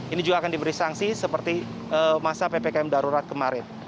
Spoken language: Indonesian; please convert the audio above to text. ini juga akan diberi sanksi seperti masa ppkm darurat kemarin